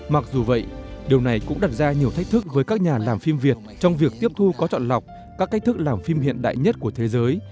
mặc dù vậy điều này cũng đặt ra nhiều thách thức với các nhà làm phim việt trong việc tiếp thu có chọn lọc các cách thức làm phim hiện đại nhất của thế giới